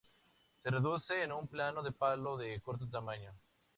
Se reduce a un pedazo de palo de corto tamaño.